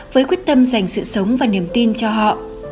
với quyết tâm dành sự sống và niềm tin cho họ